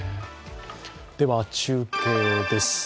では、中継です。